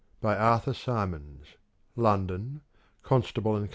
By Arthur Symons. London: Constable and Co.